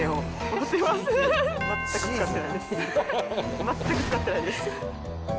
全く使ってないです。